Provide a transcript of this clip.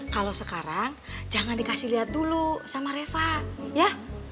kalau sekarang jangan dikasih lihat dulu sama reva ya